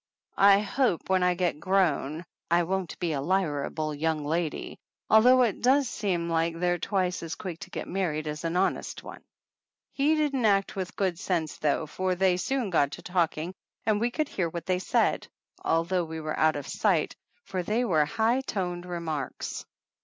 I hope when I get grown I won't be a liarable young lady, although it does seem like they're twice as quick to get married as an honest one. He didn't act with good sense, though, for they soon got to talking and we could hear 194 what they said ( although we were out of sight) for they were high toned remarks.